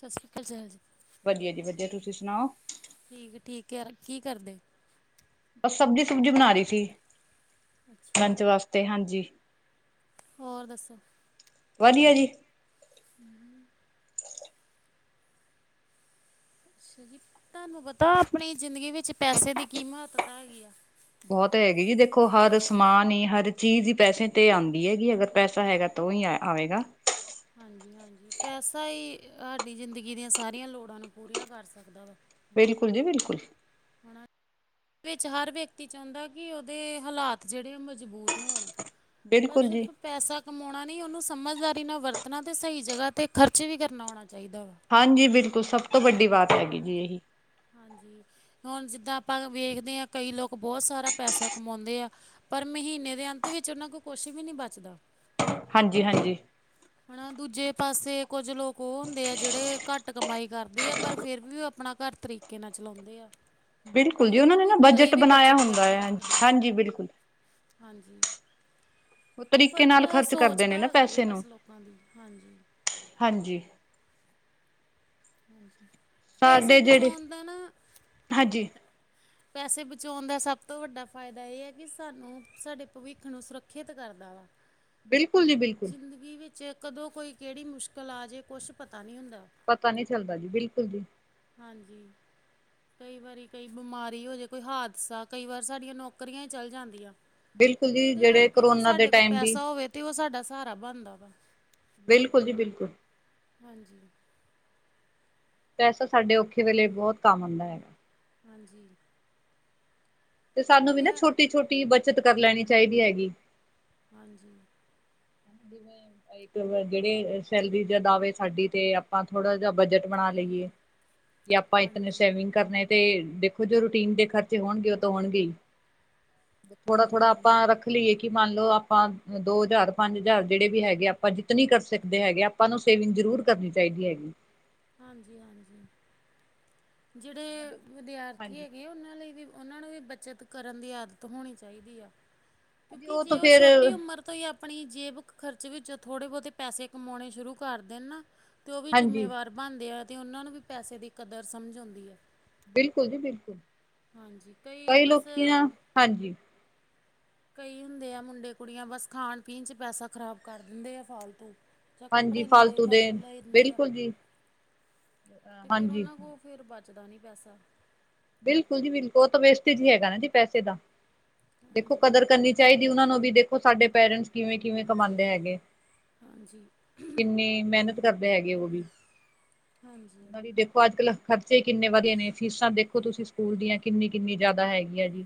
ਸ ਸ਼੍ਰੀ ਕਾਲ ਜਾਲ ਜੀ। ਵਧੀਆਂ ਜੀ ਵਧੀਆਂ ਤੁਸੀਂ ਸੁਣਾਓ? ਠੀਕ-ਠੀਕ ਯਾਰ ਕੀ ਕਰਦੇ? ਬਸ ਸਬਜ਼ੀ ਸੁਬਜੀ ਬਣਾ ਰੀ ਸੀ, ਅੱਛਾ ਜੀ ਲੰਚ ਵਾਸਤੇ ਹਾਂਜੀ। ਹੋਰ ਦੱਸੋ? ਵਧੀਆਂ ਜੀ। ਹੂੰ। ਅੱਛਾ ਜੀ ਤੁਹਾਨੂੰ ਪਤਾ ਆਪਣੀ ਜ਼ਿੰਦਗੀ ਵਿੱਚ ਪੈਸੇ ਦੀ ਕੀ ਮਹੱਤਤਾ ਹੈਗੀ ਆ। ਬਹੁਤ ਹੈਗੀ ਜੀ ਦੇਖੋ ਹਰ ਸਮਾਨ ਈ, ਹਰ ਚੀਜ਼ ਈ ਪੈਸੇ ਤੇ ਆਂਦੀ ਹੈਗੀ ਅਗਰ ਪੈਸਾ ਹੈਗਾ ਤੋਂ ਈ ਆ ਆਵੇਗਾ। ਹਾਂਜੀ-ਹਾਂਜੀ ਪੈਸਾ ਈ ਹਾਡੀ ਜ਼ਿੰਦਗੀ ਦੀਆਂ ਸਾਰੀਆਂ ਲੋੜਾਂ ਨੂੰ ਪੂਰੀਆਂ ਕਰ ਸਕਦਾ ਵਾ। ਬਿਲਕੁੱਲ ਜੀ ਬਿਲਕੁੱਲ। ਹਨਾ ਵਿੱਚ ਹਰ ਵਿਅਕਤੀ ਚਾਹੁੰਦਾ ਕਿ ਉਦੇ ਹਾਲਾਤ ਜੇੜੇ ਓ ਮਜ਼ਬੂਤ ਹੋਣ। ਪਰ ਬਿਲਕੁਲ ਸਿਰਫ਼ ਜੀ ਪੈਸਾ ਕਮਾਉਣਾ ਨਈ ਉਨੂੰ ਸਮਝਦਾਰੀ ਨਾ ਵਰਤਣਾ ਤੇ ਸਈ ਜਗਾ 'ਤੇ ਖ਼ਰਚ ਵੀ ਕਰਨਾ ਆਉਣਾ ਚਾਈਦਾ ਵਾ। ਹਾਂਜੀ ਬਿਲਕੁੱਲ ਸਭ ਤੋਂ ਵੱਡੀ ਬਾਤ ਹੈਗੀ ਜੀ ਏਹੀ। ਹਾਂਜੀ ਹੁਣ ਜਿੱਦਾਂ ਆਪਾਂ ਵੇਖਦੇ ਆ ਕਈ ਲੋਕ ਬਹੁ ਸਾਰਾ ਪੈਸਾ ਕਮਾਉਂਦੇ ਆ ਪਰ ਮਹੀਨੇ ਦੇ ਅੰਤ ਵਿੱਚ ਉਨਾਂ ਕੋ ਕੁਛ ਵੀ ਨੀ ਬਚਦਾ। ਹਾਂਜੀ-ਹਾਂਜੀ। ਹਨਾ ਦੂਜੇ ਪਾਸੇ ਕੁਝ ਲੋਕ ਓ ਹੁੰਦੇ ਆ ਜੇੜੇ ਘੱਟ ਕਮਾਈ ਕਰਦੇ ਆ ਪਰ ਫੇਰ ਵੀ ਓ ਆਪਣਾ ਘਰ ਤਰੀ ਕੇ ਨਾ ਚਲਾਉਂਦੇ ਆ। ਬਿਲਕੁਲ ਤੇ ਜੀ ਓ ਉਹਨਾਂ ਨੇ ਨਾ ਭਵਿੱਖ ਲਈ ਬਜਟ ਵੀ ਬਣਾਇਆ ਬੱਚਤ ਹੁੰਦਾ ਕਰਕੇ ਹੈ ਰੱਖਦੇ ਆ, ਹਾਂਜੀ ਬਿਲਕੁਲ ਹਾਂਜੀ। ਓ ਇਹ ਤਰੀਕੇ ਫ਼ਰਕ ਨਾਲ ਖਰਚ ਸੋਚ ਕਰਦੇ ਦਾ ਨੇ ਨਾ ਹੈਗਾ ਜੇ ਪੈਸੇ ਨੂੰ, ਬਸ ਲੋਕਾਂ ਦੀ ਹਾਂਜੀ ਹਾਂਜੀ। ਹਾਂਜੀ। ਸਾਡੇ ਜੇੜੇ, ਹਾਂਜੀ। ਪੈਸੇ ਬਚਾਉਣ ਦਾ ਸਭ ਤੋਂ ਵੱਡਾ ਫਾਇਦਾ ਏ ਆ ਕਿ ਸਾਨੂੰ ਸਾਡੇ ਭਵਿੱਖ ਨੂੰ ਸੁਰੱਖਿਅਤ ਕਰਦਾ ਵਾ। ਬਿਲਕੁੱਲ ਜੀ ਬਿਲਕੁੱਲ। ਵੀ ਵਿੱਚ ਕਦੋਂ ਕੋਈ ਕੇੜੀ ਮੁਸ਼ਕਿਲ ਆਜੇ ਕੁਛ ਪਤਾ ਨੀ ਹੁੰਦਾ। ਪਤਾ ਨੀ ਚੱਲਦਾ ਜੀ ਬਿਲਕੁੱਲ ਜੀ। ਹਾਂਜੀ। ਕਈ ਵਾਰੀ ਕਈ ਬਿਮਾਰੀ ਹੋਜੇ, ਕੋਈ ਹਾਦਸਾ ਕਈ ਵਾਰ ਸਾਡੀਆਂ ਨੌਕਰੀਆਂ ਈ ਚੱਲ ਜਾਂਦੀਆਂ। ਬਿਲਕੁਲ ਤੇ ਜੀ ਉਦੇ ਜਿਹੜੇ ਕਰਕੇ ਜੇ ਕਰੋਨਾ ਦੇ ਸਾਡੇ ਕੋਲ ਟਾਈਮ ਵੀ ਪੈਸਾ ਹੋਵੇ ਤੇ ਓ ਸਾਡਾ ਸਹਾਰਾ ਬਣਦਾ ਵਾ। ਬਿਲਕੁੱਲ ਜੀ ਬਿਲਕੁੱਲ। ਹਾਂਜੀ। ਪੈਸਾ ਸਾਡੇ ਔਖੇ ਵੇਲੇ ਬੋਤ ਕੰਮ ਆਂਦਾ ਹੈਗਾ। ਹਾਂਜੀ। ਤੇ ਸਾਨੂੰ ਵੀ ਨਾ ਵਧੀਆ ਛੋਟੀ-ਛੋਟੀ ਬੱਚਤ ਕਰ ਲੈਣੀ ਚਾਈਦੀ ਹੈਗੀ। ਹਾਂਜੀ। ਜਿਵੇਂ ਕਈ ਕਰ ਵਾਰ ਜੇੜੇ ਸੈਲਰੀ ਜਾਂ ਦਾਵੇ ਸਾਡੀ ਤੇ ਆਪਾਂ ਥੋੜਾ ਜਾ ਬਜਟ ਬਣਾ ਲਈ ਏ। ਜੇ ਆਪਾਂ ਇਤਨੇ ਹਾਂਜੀ ਸੇਵਿੰਗ ਕਰਨੇ ਤੇ ਦੇਖੋ ਜੋ ਰੂਟੀਨ ਦੇ ਖ਼ਰਚੇ ਹੋਣਗੇ ਓ ਤੋਂ ਹੋਣਗੇ ਈ। ਹਾਂਜੀ ਹਾਂਜੀ ਥੋੜਾ-ਥੋੜਾ ਆਪਾਂ ਰੱਖ ਲਈਏ ਕਿ ਮੰਨ ਲੋ ਆਪਾਂ ਦੋ ਹਜ਼ਾਰ ਪੰਜ ਹਜ਼ਾਰ ਜਿਹੜੇ ਵੀ ਹੈਗੇ ਆ ਆਪਾਂ ਜਿੱਤਨੀ ਕਰ ਸਕਦੇ ਹੈਗੇ ਆ ਆਪਾਂ ਨੂੰ ਸੇਵਿੰਗ ਜ਼ਰੂਰ ਕਰਨੀ ਚਾਹੀਦੀ ਹੈਗੀ। ਹਾਂਜੀ-ਹਾਂਜੀ, ਜਿਹੜੇ ਵਿਦਿਆਰਥੀ ਹਾਂਜੀ ਹੈਗੇ ਉਹਨਾਂ ਲਈ ਵੀ ਉਹਨਾਂ ਨੂੰ ਵੀ ਬੱਚਤ ਕਰਨ ਦੀ ਆਦਤ ਹੋਣੀ ਚਾਹੀਦੀ ਆ, ਹਾਂਜੀ ਕਿਉਂਕਿ ਜੇ ਤਾਂ ਉਹ ਫੇਰ ਛੋਟੀ ਉਮਰ ਤੋਂ ਹੀ ਆਪਣੀ ਜੇਬ ਖਰਚ ਵਿੱਚ ਥੋੜੇ ਬਹੁਤੇ ਪੈਸੇ ਕਮਾਉਣੇ ਸ਼ੁਰੂ ਕਰਦੇ ਨੇ ਨਾ। ਤੇ ਉਹ ਵੀ ਹਾਂਜੀ, ਜ਼ਿੰਮੇਵਾਰ ਬਣਦੇ ਆ ਅਤੇ ਉਹਨਾਂ ਨੂੰ ਵੀ ਪੈਸੇ ਦੀ ਕਦਰ ਸਮਝ ਆਉਂਦੀ ਐ। ਬਿਲਕੁਲ ਜੀ ਬਿਲਕੁਲ, ਹਾਂਜੀ ਕਈ ਬਸ ਲੋਕੀ ਨਾ ਹਾਂਜੀ। ਕਈ ਹੁੰਦੇ ਆ ਮੁੰਡੇ ਕੁੜੀਆਂ ਬਸ ਖਾਣ ਪੀਣ 'ਚ ਪੈਸਾ ਖ਼ਰਾਬ ਕਰ ਦਿੰਦੇ ਆ ਫਾਲਤੂ। ਜਾਂ ਹਾਂਜੀ ਕੱਪੜੇ ਲੀੜੇ ਫਾਲਤੂ ਖ ਦੇ, ਲੈਂਦੇ ਆ ਬਿਲਕੁਲ ਜੀ, ਤੇ ਫਿਰ ਹਾਂਜੀ। ਉਹਨਾਂ ਕੋਲ ਫਿਰ ਬਚਦਾ ਨੀ ਪੈਸਾ, ਬਿਲਕੁਲ ਜੀ ਬਿਲਕੁਲ ਉਹ ਤਾਂ ਵੇਸਟਜ ਹੀ ਹੈਗਾ ਨਾ ਜੀ, ਪੈਸੇ ਦਾ ਦੇਖੋ ਹਾਂਜੀ ਕਦਰ ਕਰਨੀ। ਚਾਹੀਦੀ ਉਹਨਾਂ ਨੂੰ ਵੀ ਦੇਖੋ ਸਾਡੇ ਪੇਰੈਂਟਸ ਕਿਵੇਂ ਕਿਵੇਂ ਕਮਾਦੇ ਹੈਗੇ, ਹਾਂਜੀ ਕਿੰਨੀ ਮਿਹਨਤ ਕਰਦੇ ਹੈਗੇ ਉਹ ਵੀ, ਹਾਂਜੀ ਉਹਨਾਂ ਦੀ ਦੇਖੋ ਅੱਜ ਕੱਲ ਖਰਚੇ ਕਿੰਨੇ ਵਧੇ ਨੇ ਫੀਸਾਂ ਦੇਖੋ। ਫੇਰ ਤੁਸੀਂ ਸਕੂਲ ਦੀਆਂ ਕਿੰਨੀ-ਕਿੰਨੀ ਜ਼ਿਆਦਾ ਹੈਗੀ ਆ ਜੀ,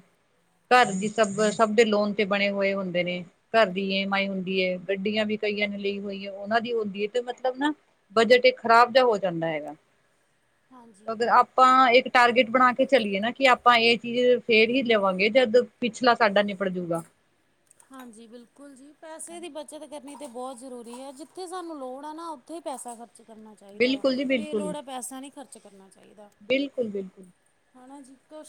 ਘਰ ਦੀ ਹਾਂਜੀ ਸਬਜੀ ਸਭ ਦੇ ਲੋਨ ਤੇ ਬਣੇ ਹੋਏ ਹੁੰਦੇ ਨੇ। ਘਰ ਦੀ ਏਮ ਆਈ ਹੁੰਦੀ ਐ, ਗੱਡੀਆਂ ਵੀ ਕਈਆਂ ਨੇ ਲਈ ਹੋਈ ਐ ਉਹਨਾਂ ਦੀ ਹੁੰਦੀ ਐ ਤੇ ਮਤਲਬ ਨਾ ਬਜਟ ਇੱਕ ਖ਼ਰਾਬ ਜਿਹਾ ਹੋ ਜਾਂਦਾ ਹੈਗਾ, ਹਾਂਜੀ ਅਗਰ ਆਪਾਂ ਇੱਕ ਟਾਰਗੇਟ ਬਣਾ ਕੇ ਚਲੀਏ ਨਾ ਕਿ ਆਪਾਂ ਇਹ ਚੀਜ਼ ਫੇਰ ਹੀ ਲਵਾਂਗੇ ਜਦ ਪਿਛਲਾ ਸਾਡਾ ਨਿਬੜ ਜੂਗਾ। ਹਾਂਜੀ ਬਿਲਕੁਲ ਜੀ ਪੈਸੇ ਦੀ ਬੱਚਤ ਕਰਨੀ ਤਾਂ ਬਹੁਤ ਜ਼ਰੂਰੀ ਐ ਜਿੱਥੇ ਸਾਨੂੰ ਲੋੜ ਆ ਨਾ ਉੱਥੇ ਪੈਸਾ ਖਰਚ ਕਰਨਾ ਚਾਹੀਦਾ, ਬਿਲਕੁਲ ਜੀ ਬਿਲਕੁਲ। ਬੇਲੋੜਾ ਪੈਸਾ ਨੀ ਖਰਚ ਕਰਨਾ ਚਾਹੀਦਾ। ਬਿਲਕੁਲ-ਬਿਲਕੁਲ, ਹੈਨਾ ਜੀ ਕੁਛ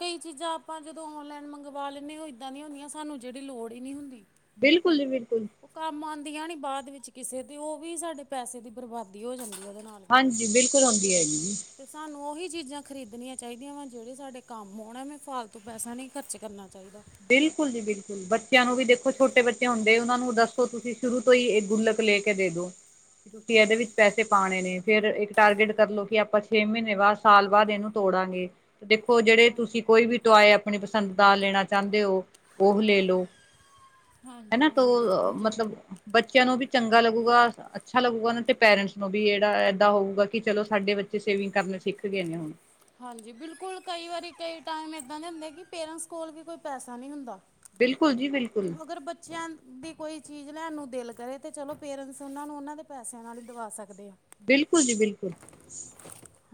ਕਈ ਚੀਜ਼ਾਂ ਆਪਾਂ ਜਦੋਂ ਔਨਲਾਈਨ ਮੰਗਵਾ ਲੈਂਨੇ ਔ ਇੱਦਾਂ ਦੀਆਂ ਹੁੰਦੀਆਂ ਸਾਨੂੰ ਜਿਹੜੀ ਲੋੜ ਈ ਨੀ ਹੁੰਦੀ। ਬਿਲਕੁਲ ਜੀ ਬਿਲਕੁਲ, ਉਹ ਕੰਮ ਆਦੀਆਂ ਨੀ ਬਾਅਦ ਵਿੱਚ ਕਿਸੇ ਤੇ ਉਹ ਵੀ ਸਾਡੇ ਪੈਸੇ ਦੀ ਬਰਬਾਦੀ ਹੋ ਜਾਂਦੀ ਉਹਦੇ ਨਾਲ। ਹਾਂਜੀ ਬਿਲਕੁਲ ਹੁੰਦੀ ਐ ਜੀ। ਤੇ ਸਾਨੂੰ ਉਹੀ ਚੀਜ਼ਾਂ ਖਰੀਦਣੀਆਂ ਚਾਹੀਦੀਆਂ ਵਾ ਜਿਹੜੇ ਸਾਡੇ ਕੰਮ ਆਣ ਐਮੇ ਫਾਲਤੂ ਪੈਸਾ ਨੀ ਖਰਚ ਕਰਨਾ ਚਾਹੀਦਾ। ਬਿਲਕੁਲ ਜੀ ਬਿਲਕੁਲ, ਬੱਚਿਆਂ ਨੂੰ ਵੀ ਦੇਖੋ ਛੋਟੇ ਬੱਚੇ ਹੁੰਦੇ ਉਹਨਾਂ ਨੂੰ ਦੱਸੋ ਤੁਸੀਂ ਸ਼ੁਰੂ ਤੋਂ ਈ ਇਹ ਗੁੱਲਕ ਲੈ ਕੇ ਦੇ ਦੋ, ਤੁਸੀਂ ਇਹਦੇ ਵਿੱਚ ਪੈਸੇ ਪਾਣੇ ਨੇ ਫੇਰ ਇੱਕ ਟਾਰਗੇਟ ਕਰਲੋ ਕਿ ਆਪਾਂ ਛੇ ਮਹੀਨੇ ਬਾਅਦ ਸਾਲ ਬਾਅਦ ਇਹਨੂੰ ਤੋੜਾਂਗੇ, ਤੇ ਦੇਖੋ ਜਿਹੜੇ ਹਾਂਜੀ ਤੁਸੀਂ ਕੋਈ ਵੀ ਤੁਸੀ ਟੋਆਏ ਆਪਣੀ ਪਸੰਦ ਦਾ ਲੈਣਾ ਚਾਹੁੰਦੇ ਹੋ ਉਹੋ ਲੈ ਲਓ, ਹਾਂਜੀ ਹਨਾ ਹਾਂਜੀ ਤੋ ਬਿਲਕੁਲ ਜੀ ਮਤਲਬ ਬੱਚਿਆਂ ਨੂੰ ਵੀ ਚੰਗਾ ਲੱਗੂਗਾ, ਅੱਛਾ ਲੱਗੂਗਾ ਨਾ ਤੇ ਪੇਰੈਂਟਸ ਨੂੰ ਵੀ ਜਿਹੜਾ ਏਦਾਂ ਹੋਊਗਾ ਕਿ ਚਲੋ ਸਾਡੇ ਬੱਚੇ ਸੇਵਿੰਗ ਕਰਨੀ ਸਿੱਖ ਗਏ ਨੇ ਹੁਣ। ਹਾਂਜੀ ਬਿਲਕੁਲ ਕਈ ਵਾਰੀ ਕਈ ਟਾਈਮ ਏਦਾਂ ਦੇ ਹੁੰਦੇ ਕਿ ਪੇਰੈਂਟਸ ਕੋਲ ਕੋਈ ਪੈਸਾ ਨੀ ਹੁੰਦਾ। ਬਿਲਕੁਲ ਜੀ ਬਿਲਕੁਲ, ਅਗਰ ਬੱਚਿਆਂ ਨੂੰ ਦੀ ਕੋਈ ਚੀਜ਼ ਲੈਣ ਨੂੰ ਦਿਲ ਕਰੇ ਤੇ ਚਲੋ ਪੇਰੈਂਟਸ ਉਹਨਾਂ ਨੂੰ ਉਹਨਾਂ ਦੇ ਪੈਸਿਆਂ ਨਾਲ ਈ ਦਵਾ ਸਕਦੀ ਆ। ਬਿਲਕੁਲ ਜੀ ਬਿਲਕੁਲ,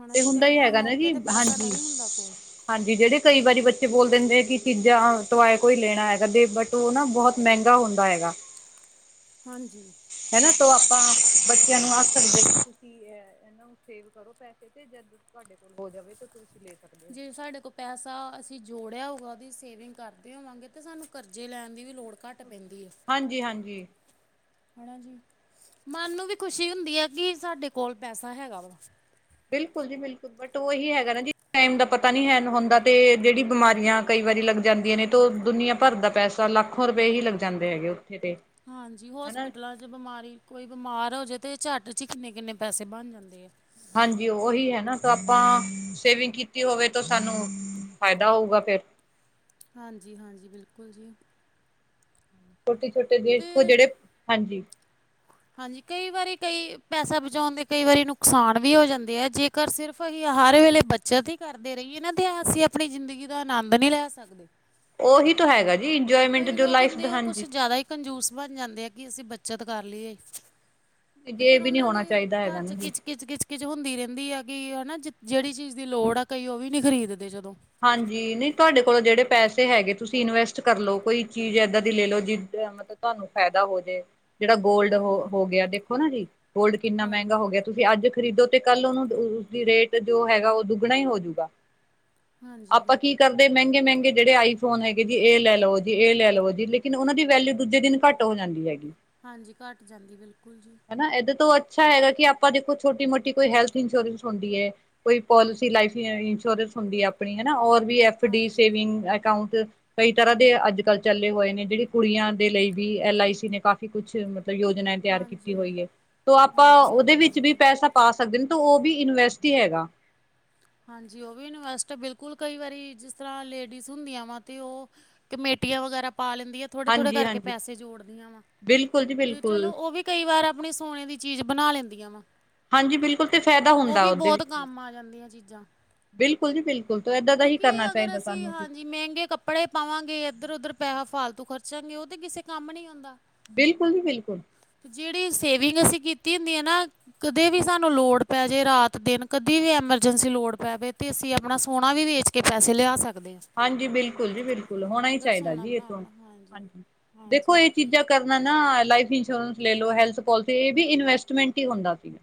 ਹਨਾ ਤੇ ਜੀ ਹੁਣ ਦਾ ਕਈ ਇਹ ਟਾਈਮ ਹੈਗਾ ਨਾ ਮੌਕੇ ਕਿ ਤੇ ਪੈਸਾ ਹਾਂਜੀ ਨਹੀਂ ਹੁੰਦਾ ਕੋਲ ਹਾਂਜੀ ਜਿਹੜੇ ਕਈ ਵਾਰੀ ਬੱਚੇ ਬੋਲ ਦਿੰਦੇ ਆ ਕਿ ਚੀਜ਼ਾਂ, ਟੋਆਏ ਕੋਈ ਲੈਣਾ ਹੈਗਾ ਤੇ ਬਟ ਤੇ ਉਹ ਨਾ ਬਹੁਤ ਮਹਿੰਗਾ ਹੁੰਦਾ ਹੈਗਾ। ਹਾਂਜੀ, ਹਨਾ ਤੋ ਆਪਾਂ ਬੱਚਿਆ ਨੂੰ ਆਖ ਸਕਦੇ ਕਿ ਤੁਸੀ ਇਹਨਾਂ ਨੂੰ ਸੇਵ ਕਰੋ ਪੈ ਤੇ ਜਦ ਤੁਹਾਡੇ ਕੋਲ ਹੋ ਜਾਵੇ ਤਾਂ ਤੁਸੀਂ ਲੈ ਸਕਦੇ ਓ। ਜਿਵੇਂ ਸਾਡੇ ਕੋ ਪੈਸਾ ਅਸੀਂ ਜੋੜਿਆ ਹੋਊਗਾ। ਉਹਦੀ ਸੇਵਿੰਗ ਕਰਦੇ ਹੋਵਾਂਗੇ। ਤਾਂ ਸਾਨੂੰ ਕਰਜ਼ੇ ਲੈਣ ਦੀ ਵੀ ਲੋੜ ਘੱਟ ਪੈਂਦੀ ਹੈ। ਹਾਂਜੀ ਹਾਂਜੀ [unintelligible] ਹਨਾ ਜੀ, ਮਨ ਨੂੰ ਵੀ ਖੁਸ਼ੀ ਹੁੰਦੀ ਆ ਕਿ ਸਾਡੇ ਕੋਲ ਪੈਸਾ ਹੈਗਾ ਵਾ। ਬਿਲਕੁਲ ਜੀ ਬਿਲਕੁਲ। ਬਟ ਉਹ ਇਹੀ ਹੈਗਾ ਨਾ ਜੀ ਟਾਈਮ ਦਾ ਪਤਾ ਨੀ ਹੈਗਾ। ਹੁੰਦਾ ਤੇ ਜਿਹੜੀ ਬਿਮਾਰੀਆਂ ਕਈ ਵਾਰੀ ਲੱਗ ਜਾਂਦੀਆਂ ਨੇ। ਤੋਂ ਦੁਨੀਆਂ ਭਰ ਦਾ ਪੈਸਾ ਲੱਖੋ ਰੁਪਏ ਹੀ ਲੱਗ ਜਾਂਦੇ ਹੈਗੇ। ਤੇ ਹਾਂਜੀ ਹਨਾ ਹੋਸਪਿਟਲਾਂ ਚ ਤੇ ਬਿਮਾਰੀ ਕੋਈ ਬਿਮਾਰ ਹੋ ਜਾਵੇ ਤੇ ਝਟ ਚ ਹੀ ਕਿੰਨੇ -ਕਿੰਨੇ ਪੈਸੇ ਬਣ ਜਾਂਦੇ ਆ। ਹਾਂਜੀ ਉਹੀ ਹੈ ਨਾ ਤੋਂ ਆਪਾਂ ਸੇਵਿੰਗ ਕੀਤੀ ਹੋਵੇ ਤੋਂ ਸਾਨੂੰ ਫਾਇਦਾ ਹੋਊਗਾ ਫਿਰ। ਹਾਂਜੀ -ਹਾਂਜੀ ਬਿਲਕੁਲ ਜੀ। ਛੋਟੇ-ਛੋਟੇ ਦੇਖੋ ਤੇ ਜਿਹੜੇ ਹਾਂਜੀ। ਹਾਂਜੀ ਕਈ ਵਾਰੀ ਕਈ ਪੈਸਾ ਬਚਾਉਣ ਦੇ ਕਈ ਵਾਰੀ ਨੁਕਸਾਨ ਵੀ ਹੋ ਜਾਂਦੇ ਆ ਜੇ ਘਰ ਸਿਰਫ ਅਸੀਂ ਹਰ ਵੇਲੇ ਬੱਚਤ ਹੀ ਕਰਦੇ ਰਹੀਏ। ਨਾ ਅਤੇ ਅਸੀਂ ਆਪਣੀ ਜ਼ਿੰਦਗੀ ਦਾ ਆਨੰਦ ਨਹੀਂ ਲੈ ਸਕਦੇ। ਉਹੀ ਤੋਂ ਹੈਗਾ ਜੀ ਇੰਜੋਏਮੈਂਟ ਕਈ ਜੋ ਲੋਕ ਲਾਈਫ ਹੁੰਦੇ ਦਾ ਉਹ ਕੁਛ ਹਾਂਜੀ। ਜ਼ਿਆਦਾ ਹੀ ਕੰਜੂਸ ਬਣ ਜਾਂਦੇ ਆ। ਕਿ ਅਸੀਂ ਬੱਚਤ ਕਰ ਲਈਏ। ਤੇ ਜੇ ਫਿਰ ਵੀ ਨੀ ਉਹਨਾਂ ਦੇ ਹੋਣਾ ਚਾਹੀਦਾ ਘਰ ਹੈਗਾ ਚ ਨਾ ਜੀ। ਕਿੱਚ -ਕਿੱਚ ਕਿਚ ਕਿੱਚ -ਕਿੱਚ ਹੁੰਦੀ ਰਹਿੰਦੀ ਆ ਕਿ ਹਨਾ ਜਿਹੜੀ ਚੀਜ਼ ਦੀ ਲੋੜ ਆ ਕਈ ਉਹ ਵੀ ਨੀ ਖਰੀਦ ਦੇ ਜਦੋਂ। ਹਾਂਜੀ ਨਹੀਂ ਤੁਹਾਡੇ ਕੋਲੋਂ ਜਿਹੜੇ ਪੈਸੇ ਹੈਗੇ। ਤੁਸੀਂ ਇਨਵੈਸਟ ਕਰ ਲਓ ਕੋਈ ਚੀਜ਼ ਇੱਦਾਂ ਦੀ ਲੈ ਲਓ ਜਿਹਦੇ ਮਤ ਤੁਹਾਨੂੰ ਫ਼ਾਇਦਾ ਹੋ ਜੇ ਜਿਹੜਾ ਗੋਲਡ ਹੋ ਹਾਂਜੀ ਹੋ ਗਿਆ। ਦੇਖੋ ਨਾ ਗੋਲਡ ਕਿੰਨਾ ਮਹਿੰਗਾ ਹੋ ਹਾਂਜੀ। ਗਿਆ ਤੁਸੀਂ ਵੀ ਅੱਜ ਖਰੀਦੋ ਤੇ ਕੱਲ੍ਹ ਉਹਨੂੰ ਉਸਦੀ ਰੇਟ ਜੋ ਹੈਗਾ ਉਹ ਦੁੱਗਣਾ ਹੀ ਹੋਜੂਗਾ। ਹਾਂਜੀ ਆਪਾਂ ਕੀ ਕਰਦੇ ਮਹਿੰਗੇ -ਮਹਿੰਗੇ ਜਿਹੜੇ ਆਈਫੋਨ ਹੈਗੇ ਜੀ। ਇਹ ਲੈ ਲਵੋ ਜੀ ਇਹ ਲੈ ਲਵੋ ਜੀ ਲੇਕਿਨ ਉਹਨਾਂ ਦੀ ਵੈਲੀਉ ਦੂਜੇ ਦਿਨ ਘੱਟ ਤੋ ਲੈਂਦੀ ਹੋਗੀ ਹਾਂਜੀ ਘੱਟ ਜਾਂਦੀ ਬਿਲਕੁਲ ਜੀ। ਹਨਾ ਐਦੇ ਤੋਂ ਅੱਛਾ ਹੈਗਾ ਕਿ ਆਪਾਂ ਦੇਖੋ ਛੋਟੀ ਕੋਈ ਹੈਲਥ ਇੰਸ਼ੋਰੈਂਸ ਹੁੰਦੀ ਐ। ਕੋਈ ਪੋਲਿਸੀ ਲਾਈਫ ਇੰਸ਼ੋਰੈਂਸ ਹੁੰਦੀ ਹੈ ਆਪ ਆਪਣੀ ਹੋਰ ਵੀ ਐਫ ਡੀ ਹਾਂਜੀ ਸੇਵਿੰਗ ਅਕਾਊਂਟ ਕਈ ਤਰ੍ਹਾਂ ਦੇ ਅੱਜ-ਕੱਲ ਚੱਲੇ ਹੋਏ ਨੇ ਜਿਹੜੀ ਕੁੜੀਆਂ ਦੇ ਲਈ ਵੀ ਐਲ ਆਈ ਸੀ ਨੇ ਕਾਫੀ ਕੁਛ ਤਲਬ ਯੋਜਨਾ ਤਿਆਰ ਕੀਤੀ ਹਾਂਜੀ ਹੋਈ ਹੈ। ਤੋ ਆਪਾਂ ਹਾਂਜੀ ਉਹਦੇ ਹਾਂਜੀ ਵਿੱਚ ਵੀ ਬਿਲਕੁਲ ਪੈਸਾ ਪਾ ਸਕਦੇ ਨੇ ਤੇ ਉਹ ਵੀ ਇਨਵੈਸਟ ਹੈਗਾ। ਹਾਂਜੀ ਉਹ ਵੀ ਇਨਵੈਸਟ ਬਿਲਕੁਲ ਕਈ ਵਾਰੀ ਜਿਸ ਤਰ੍ਹਾਂ ਲੇਡੀਜ਼ ਹੁੰਦੀਆਂ ਵਾ ਤੇ ਉਹ ਕਮੇਟੀਆਂ ਵਗੈਰਾ ਪਾ ਲੈਂਦੀਆਂ। ਥੋੜੇ-ਥੋੜੇ ਹਾਂਜੀ ਕਰਕੇ ਹਾਂਜੀ ਪੈਸੇ ਜੋੜਦੀਆਂ ਵਾ। ਬਿਲਕੁਲ ਜੀ। ਤੇ ਚਲੋ ਬਿਲਕੁਲ ਉਹ ਵੀ ਕਈ ਵਾਰ ਆਪਣੀ ਸੋਨੇ ਦੀ ਚੀਜ਼ ਬਣਾ ਲੈਂਦੀਆਂ ਵਾ। ਹਾਂਜੀ, ਬਿਲਕੁਲ ਤੇ ਫਾਇਦਾ ਉਹ ਹੁੰਦਾ ਵੀ ਉਹਦੇ ਬਹੁਤ ਵਿੱਚ। ਕੰਮ ਆ ਜਾਂਦੀਆਂ ਚੀਜ਼ਾਂ [inaudible] ਬਿਲਕੁਲ ਜੀ ਬਿਲਕੁਲ ਤੋ ਏਦਾਂ ਦਾ ਹੀ ਕਿਉਂਕਿ ਕਰਨਾ ਅਗਰ ਚਾਹੀਦਾ ਅਸੀਂ ਸਾਨੂੰ। ਹਾਂਜੀ ਮਹਿੰਗੇ ਕੱਪੜੇ ਪਾਵਾਂਗੇ। ਇੱਧਰ-ਉਧਰ ਪੈਸਾ ਫਾਲਤੂ ਖਰਚਾਂਗੇ ਉਹ ਤੇ ਕਿਸੇ ਕੰਮ ਨੀ ਆਉਂਦਾ। ਬਿਲਕੁਲ ਜੀ ਬਿਲਕੁਲ। ਜਿਹੜੀ ਸੇਵਿੰਗ ਅਸੀਂ ਕੀਤੀ ਹੁੰਦੀ ਹੈ ਨਾ ਕਦੇ ਵੀ ਸਾਨੂੰ ਲੋੜ ਪੈ ਜੇ ਰਾਤ-ਦਿਨ ਕਦੇ ਵੀ ਐਮਰਜੈਂਸੀ ਪੈਵੇ ਤੇ ਅਸੀਂ ਆਪਣਾ ਸੋਹਣਾ ਵੇਚ ਕੇ ਕਿ ਪੈਸੇ ਲਿਆ ਸਕਦੇ ਆ। ਹਾਂਜੀ ਬਿਲਕੁਲ ਜੀ ਬਿਲਕੁਲ ਹੋਣਾ ਹੀ ਚਾਹੀਦਾ ਸੋਨਾ ਜੀ। ਇਹ ਬਣਾ ਤੋਂ ਲੈਣਾ ਹਾਂਜੀ ਦੇਖੋ ਹਾਂਜੀ ਇਹ ਚੀਜ਼ਾਂ ਕਰਨਾ ਨਾ ਲਾਈਫ ਇੰਸ਼ੋਰੈਂਸ ਲੈ ਲਓ ਹੈਲਥ ਪੋਲਿਸੀ ਇਹ ਵੀ ਇਨਵੈਸਟਮੈਂਟ ਹੀ ਹੁੰਦਾ ਸੀਗਾ।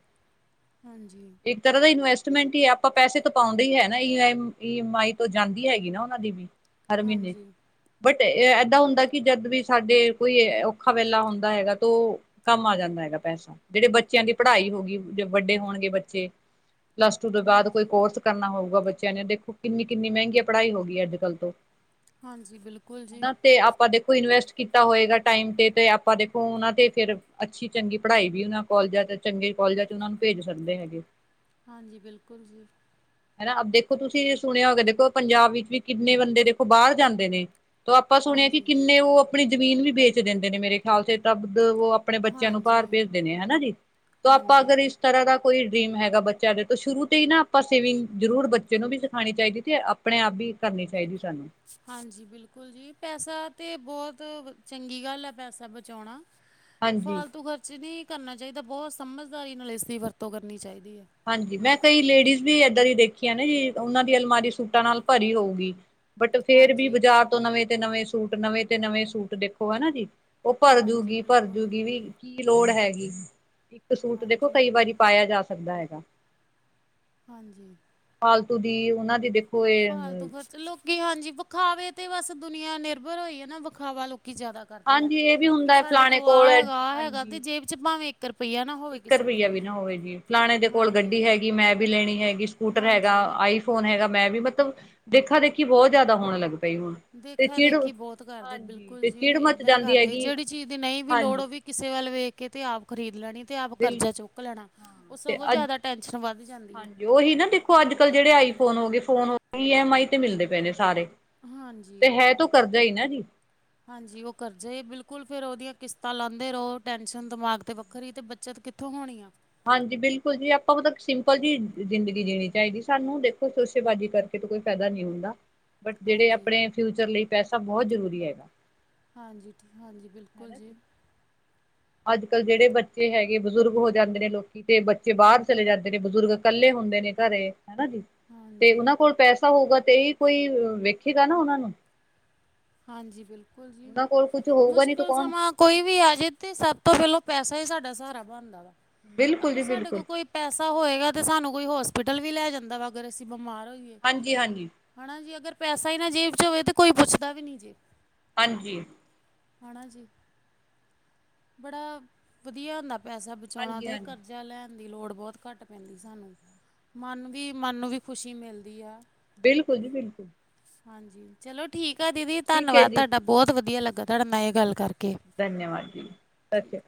ਹਾਂਜੀ। ਇੱਕ ਤਰ੍ਹਾਂ ਦਾ ਇਨਵੈਸਟਮੈਂਟ ਹੀ ਐ ਆਪਾਂ ਪੈਸੇ ਤੋਂ ਪਾਉਂਦੇ ਹੀ ਹੈ, ਨਾ ਈ ਈ ਐਮ ਆਈ ਤੋਂ ਜਾਂਦੀ ਹੈਗੀ। ਨਾ ਉਹਨਾਂ ਦੀ ਵੀ, ਹਰ ਮਹੀਨੇ, ਹਾਂਜੀ ਬਟ ਏਦਾਂ ਹੁੰਦਾ ਕਿ ਜਦ ਵੀ ਸਾਡੇ ਕੋਈ ਔਖਾ ਵੇਲਾ ਹੁੰਦਾ ਹੈਗਾ ਤੋ ਕੰਮ ਆ ਜਾਂਦਾ ਹੈਗਾ ਪੈਸਾ ਜਿਹੜੇ ਬੱਚਿਆਂ ਦੀ ਪੜ੍ਹਾਈ ਹੋ ਗਈ ਜਦੋ ਵੱਡੇ ਹੋਣਗੇ ਬੱਚੇ ਪਲੱਸ ਟੂ ਦੇ ਬਾਅਦ ਕੋਈ ਹਾਂਜੀ ਕੋਰਸ ਕਰਨਾ ਹੋਊਗਾ ਬੱਚਿਆਂ ਨੇ ਦੇਖੋ ਕਿੰਨੀ-ਕਿੰਨੀ ਮਹਿੰਗੀ ਪੜ੍ਹਾਈ ਹੋ ਗਈ ਹੈ ਅੱਜ-ਕੱਲ ਤੋਂ ਹਾਂਜੀ ਬਿਲਕੁਲ ਜੀ ਓਦਾਂ ਤੇ ਆਪਾਂ ਦੇਖੋ ਕੋਈ ਇਨਵੈਸਟ ਕੀਤਾ ਹੋਏਗਾ ਟਾਈਮ ਤੇ ਤੇ ਆਪਾਂ ਦੇਖੋ ਉਹਨਾਂ ਤੇ ਫਿਰ ਅੱਛੀ ਚੰਗੀ ਪੜ੍ਹਾਈ ਵੀ ਉਹਨਾਂ ਕੋਲਜਾਂ ਚ ਚੰਗੇ ਕਾਲਜਾਂ ਚ ਉਹਨਾਂ ਨੂੰ ਭੇਜ ਸਕਦੇ ਹੈਗੇ। ਹਾਂਜੀ ਬਿਲਕੁਲ ਜੀ। ਹਨਾ ਅਬ ਦੇਖੋ ਤੁਸੀਂ ਸੁਣਿਆ ਹੋਵੇ ਦੇਖੋ ਪੰਜਾਬ ਵਿੱਚ ਵੀ ਕਿੰਨੇ ਬੰਦੇ ਦੇਖੋ ਬਾਹਰ ਜਾਂਦੇ ਨੇ। ਆਪਾਂ ਸੁਣਿਆ ਕਿ ਹਾਂਜੀ ਕਿੰਨੇ ਉਹ ਆਪਣੀ ਜ਼ਮੀਨ ਵੀ ਵੇਚ ਦਿੰਦੇ ਨੇ ਮੇਰੇ ਖਿਆਲ ਚ ਤਾਂ ਤਬ ਉਹ ਆਪਣੇ ਬੱਚਿਆਂ ਨੂੰ ਭਰ ਹਾਂਜੀ ਭੇਜਦੇ ਨੇ ਹਨਾ ਜੀ, ਤੋ ਆਪਾਂ ਹਾਂਜੀ ਅਗਰ ਇਸ ਤਰ੍ਹਾਂ ਦਾ ਕੋਈ ਡਰੀਮ ਹੈਗਾ ਬੱਚਿਆਂ ਦੇ ਤੋਂ ਸ਼ੁਰੂ ਤੇ ਹੀ ਨਾ ਆਪਾਂ ਸੇਵਿੰਗ, ਜ਼ਰੂਰ ਬੱਚੇ ਨੂੰ ਵੀ ਸਿਖਾਣੀ ਚਾਹੀਦੀ ਤੇ ਆਪਣੇ ਆਪ ਵੀ ਕਰਨੀ ਚਾਹੀਦੀ ਸਾਨੂੰ। ਹਾਂਜੀ, ਬਿਲਕੁਲ ਜੀ ਪੈਸਾ ਤੇ ਬਹੁਤ ਚੰਗੀ ਗੱਲ ਹੈ ਪੈਸਾ ਬਚਾਉਣਾ ਹਾਂਜੀ। ਫਾਲਤੂ ਖਰਚ ਨਹੀਂ ਕਰਨਾ ਚਾਹੀਦਾ, ਬਹੁਤ ਸਮਝਦਾਰੀ ਨਾਲ ਇਸ ਦੀ ਵਰਤੋ ਕਰਨੀ ਚਾਹੀਦੀ ਹੈ। ਹਾਂਜੀ, ਮੈਂ ਕਈ ਲੇਡੀਜ਼ ਵੀ ਏਦਾਂ ਦੀ ਦੇਖੀਆ ਨਾ ਜੀ, ਉਹਨਾਂ ਦੀ ਅਲਮਾਰੀ ਸੂਟਾਂ ਨਾਲ ਭਰੀ ਹੋਊਗੀ, ਬਟ ਫੇਰ ਵੀ ਹਾਂਜੀ, ਬਾਜ਼ਾਰ ਤੋਂ ਨਵੇਂ ਤੇ ਨਵੇਂ ਸੂਟ ਨਵੇਂ ਤੇ ਨਵੇਂ ਸੂਟ ਦੇਖੋ ਹਨਾ ਜੀ। ਉਹ ਹਾਂਜੀ ਬਿਲਕੁਲ ਭਰਜੂਗੀ-ਭਰਜੂਗੀ ਵੀ ਕੀ ਲੋੜ ਹੈਗੀ, ਇੱਕ ਸੂਟ ਦੇਖੋ ਹਾਂਜੀ, ਕਈ ਵਾਰੀ ਪਾਇਆ ਜਾ ਸਕਦਾ ਹੈਗਾ। ਹਾਂਜੀ। ਫਾਲਤੂ ਦੀ ਉਹਨਾਂ ਦੀ ਫਾਲਤੂ ਇਹ ਖਰਚ ਲੋਕੀ ਹਾਂਜੀ, ਵਿਖਾਵੇ ਤੇ ਬਸ ਦੁਨੀਆਂ ਨਿਰਭਰ ਹੋਈ ਹੈ ਨਾ ਵਿਖਾਵਾ ਲੋਕੀ ਜ਼ਿਆਦਾ, ਕਰਦੇ ਆ, ਹਾਂਜੀ ਇਹ ਵੀ ਕਿ ਹੁੰਦਾ ਹੈ ਸਾਡੇ ਫਲਾਣੇ ਕੋਲ ਆਹ ਹੈਗਾ, ਆਹ ਹੈਗਾ ਤੇ ਹਾਂਜੀ ਜੇਬ 'ਵਚ ਭਾਵੇਂ ਇੱਕ ਰੁਪਇਆ ਨਾ ਹੋਵੇ ਇੱਕ ਕਿਸੇ ਦੇ ਰੁਪਈਆ ਵੀ ਨਾ ਹੋਵੇ ਜੇਬ ਚ ਫਲਾਣੇ ਦੇ ਕੋਲ ਹਾਂਜੀ, ਗੱਡੀ ਹੈਗੀ ਮੈਂ ਵੀ ਲੈਣੀ ਹੈਗੀ ਸਕੂਟਰ ਹੈਗਾ, ਹਾਂਜੀ। ਆਈਫ ਫੋਨ ਹੈਗਾ ਮੈਂ ਵੀ ਮਤਲਬ ਦੇਖਾ ਦੇਖੀ ਬਹੁਤ ਜ਼ਿਆਦਾ ਹੋਣ ਲੱਗ ਪਈ ਹੁਣ ਤੇ ਦੇਖਾ ਚਿੜ ਦੇਖੀ ਬਹੁਤ ਕਰਦੇ ਹਾਂਜੀ ਬਿਲਕੁਲ ਤੇ ਜੀ, ਚਿੜ ਮੱਚ ਏਦਾਂ ਹੀ ਜਾਂਦੀ ਕਰਦੇ ਹੈਗੀ ਜਿਹੜੀ ਚੀਜ਼ ਦੀ ਨਹੀਂ ਵੀ ਲੋੜ ਹਾਂਜੀ ਉਹ ਵੀ ਕਿਸੇ ਵੱਲ ਵੇਖ ਕੇ ਤੇ ਆਪ ਖਰੀਦ ਲੈਣੀ, ਤੇ ਆਪ ਬਿਲ ਕਰਜ਼ਾ ਚੁੱਕ ਲੈਣਾ, ਉਹ ਤੇ ਸਗੋਂ ਅੱਜ ਜਿਆਦਾ ਟੈਨਸ਼ਨ ਵੱਧ ਜਾਂਦੀ ਐ। ਹਾਂਜੀ ਉਹੀ ਨਾ ਦੇਖੋ ਅੱਜ-ਕੱਲ ਜਿਹੜੇ ਆਈਫੋਨ ਹੋ ਗਏ ਫੋਨ ਹੋ ਈ ਐਮ ਆਈ ਤੇ ਮਿਲਦੇ ਪਏ ਨੇ ਸਾਰੇ। ਤੇ ਹਾਂਜੀ। ਹੈ ਤੋ ਕਰਦਾ ਈ ਨਾ ਜੀ। ਹਾਂਜੀ ਉਹ ਕਰਜੇ ਬਿਲਕੁਲ ਫਿਰ ਉਹਦੀਆਂ ਕਿਸ਼ਤਾਂ ਲਾਉਦੇ ਰਹੋ ਟੈਸ਼ਨ ਦਿਮਾਗ ਤੇ ਵ ਵੱਖਰੀ ਤੇ ਬੱਚਿਆਂ ਤੋਂ ਕਿੱਥੋ ਹੋਣੀ ਆ। ਹਾਂਜੀ ਬਿਲਕੁਲ ਜੀ ਆਪਾਂ ਨੂੰ ਸਿੰਪਲ ਜੀ ਜ਼ਿੰਦਗੀ ਜੀਣੀ ਚਾਹੀਦੀ ਸਾਨੂੰ ਹੁਣ ਦੇਖੋ ਸ਼ੋਸ਼ੇਬਾਜ਼ੀ ਕਰ ਕੇ ਤੇ ਕੋਈ ਫਾਇਦਾ ਨੀ ਹੁੰਦਾ ਬਟ ਜਿਹੜੇ ਹਾਂਜੀ ਆਪਣੇ ਫਿਊਚਰ ਲਈ ਪੈਸਾ ਬਹੁਤ ਜ਼ਰੂਰੀ ਹੈਗਾ। ਹਾਂਜੀ-ਹਾਂਜੀ ਬਿਲਕੁਲ ਜੀ। ਅੱਜ-ਕੱਲ ਜਿਹੜੇ ਬੱਚੇ ਹੈਗੇ ਬਜ਼ੁਰਗ ਹੋ ਜਾਂਦੇ ਨੇ ਲੋਕ ਕਿਤੇ ਬੱਚੇ ਬਾਹਰ ਚਲੇ ਜਾਂਦੇ ਨੇ ਬਜ਼ੁਰਗ ਇਕੱਲੇ ਹੁੰਦੇ ਨੇ ਘਰੇ ਹਨਾ ਜੀ। ਤੇ ਹਾਂਜੀ ਉਹਨਾਂ ਕੋਲ ਪੈਸਾ ਹੋਊਗਾ ਤੇ ਈ ਕੋਈ ਵੇਖੇਗਾ ਨਾ ਉਹਨਾਂ ਨੂੰ ਹਾਂਜੀ ਬਿਲਕੁਲ ਜੀ, ਉਹਨਾਂ ਕੋਲ ਕੁਛ ਹੋਊਗਾ ਨੀ ਤਾਂ ਮੁਸ਼ਕਿਲ ਕੌਣ ਸਮਾਂ ਕੋਈ ਵੀ ਆ ਜੇ ਤੇ ਸਭ ਤੋਂ ਪਹਿਲਾਂ ਪੈਸਾ ਹੀ ਸਾਡਾ ਸਹਾਰਾ ਵਾ ਬਿਲਕੁਲ ਅਗਰ ਜੀ ਸਾਡੇ ਕੋਲ ਬਿਲਕੁਲ ਕੋਈ ਪੈਸਾ ਹੋਏਗਾ ਤੇ ਸਾਨੂੰ ਕੋਈ ਹੋਸਪਿਟਲ ਵੀ ਲੈ ਜਾਂਦਾ ਵਾ ਅਗਰ ਅਸੀਂ ਬਿਮਾਰ ਹੋਈਏ। ਹਾਂਜੀ-ਹਾਂਜੀ। ਹੈਨਾ ਜੀ ਅਗਰ ਪੈਸਾ ਹੀ ਨਾ ਜੇਬ 'ਚ ਹੋਵੇ ਤਾਂ ਕੋਈ ਪੁੱਛਦਾ ਵੀ ਨਹੀਂ ਜੀ। ਹਾਂਜੀ। ਹਨਾ ਜੀ। ਬੜਾ ਵਧੀਆ ਹੁੰਦਾ ਪੈਸਾ ਬਚਾਉਣਾ ਹਾਂਜੀ ਤੇ ਹਾਂਜੀ ਕਰਜ਼ਾ ਲੈ ਦੀ ਲੋੜ ਬੋਤ ਘੱਟ ਪੈਂਦੀ ਸਾਨੂੰ ਮਨ ਵੀ ਮਨ ਨੂੰ ਵੀ ਖੁਸ਼ੀ ਮਿਲਦੀ ਆ। ਬਿਲਕੁੱਲ ਜੀ ਬਿਲਕੁੱਲ। ਹਾਂਜੀ ਚਲੋ ਠੀਕ ਆ ਦੀਦੀ ਠੀਕ ਹੈ ਧੰਨਵਾਦ ਜੀ ਤੁਹਾਡਾ ਬੋਤ ਵਧੀਆ ਲੱਗਾ ਤੁਹਾਡੇ ਨਾ ਏ ਗੱਲ ਕਰਕੇ। ਧੰਨਵਾਦ ਜੀ ਅੱਛਾ।